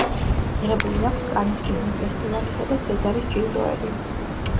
მიღებული აქვს კანის კინოფესტივალისა და სეზარის ჯილდოები.